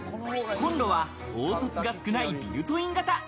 コンロは凹凸が少ないビルトイン型。